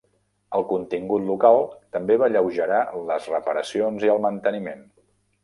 El contingut local també va alleugerar les reparacions i el manteniment.